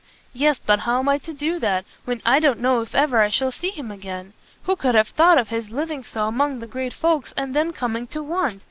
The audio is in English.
"Yes, but how am I to do that, when I don't know if ever I shall see him again? Who could have thought of his living so among the great folks, and then coming to want!